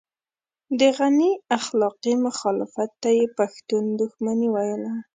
د غني اخلاقي مخالفت ته يې پښتون دښمني ويله.